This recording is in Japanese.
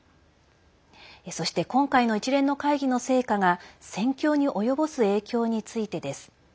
そして今回の一連の会議の成果が戦況に及ぼす影響についてです。